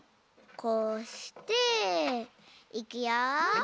こうしていくよ。